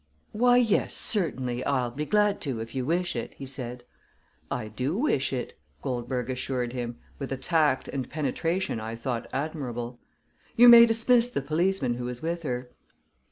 "Why, yes; certainly. I'll be glad to, if you wish it," he said. "I do wish it," Goldberg assured him, with a tact and penetration I though admirable. "You may dismiss the policeman who is with her."